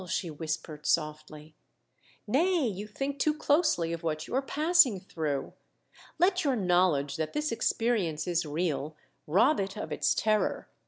she whispered, softly; 304 THE DEATH SHIP. "nay, you think too closely of what you are passing through. Let your knowledge that this experience is real rob it of its terror.